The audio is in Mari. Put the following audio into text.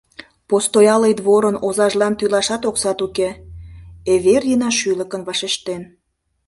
— Постоялый дворын озажлан тӱлашат оксат уке, — Эвердина шӱлыкын вашештен.